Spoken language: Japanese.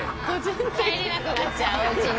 帰れなくなっちゃうおうちに。